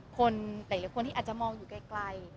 คนหลายคนที่อาจจะมองอยู่ไกล